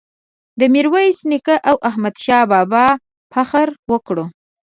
د میرویس نیکه او احمد شاه بابا فخر وکړو.